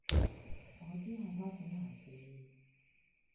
我知係多管閒事